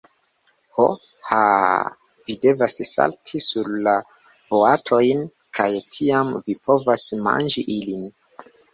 Ho. Haaaa, vi devas salti sur la boatojn, kaj tiam vi povas manĝi ilin.